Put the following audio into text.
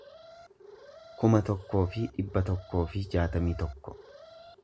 kuma tokkoo fi dhibba tokkoo fi jaatamii tokko